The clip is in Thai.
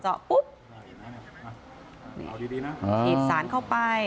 เจาะปุ๊บเอาดีดีนะอ๋ออีดสานเข้าไป